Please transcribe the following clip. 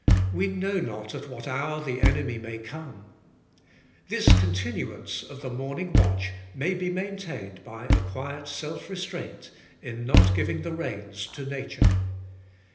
We know not at what hour the enemy may come. This continuance of the morning watch may be maintained by a quiet self restraint, in not giving the reins to nature.